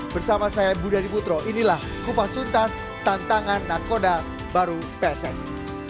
bersama saya budi adiputro inilah kupas tuntas tantangan nakoda baru pssi